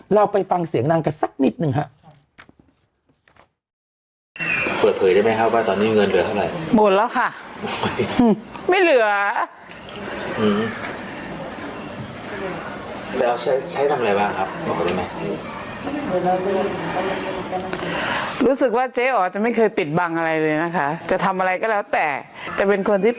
เราไปฟังเสียงนางกันสักนิดหนึ่งครับ